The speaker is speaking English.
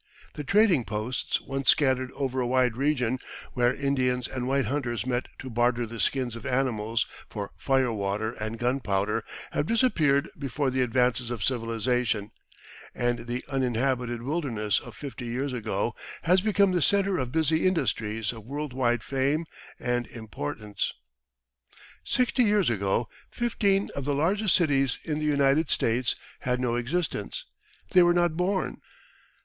The trading posts, once scattered over a wide region, where Indians and white hunters met to barter the skins of animals for fire water and gunpowder, have disappeared before the advances of civilisation, and the uninhabited wilderness of fifty years ago has become the centre of busy industries of world wide fame and importance. Sixty years ago, fifteen of the largest cities in the United States had no existence. They were not born.